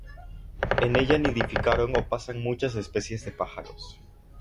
En ella nidifican o pasan muchas especies de pájaros.